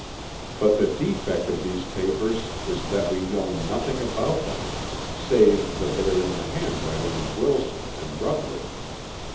But the defect of these papers is that we know nothing about them, save that they are in the handwriting of Wilson and Rutledge.